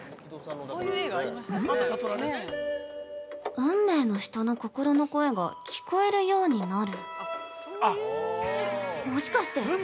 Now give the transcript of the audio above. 運命の人の「心の声」が聞こえるようになる。